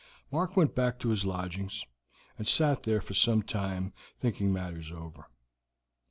Mark went back to his lodgings, and sat there for some time, thinking matters over.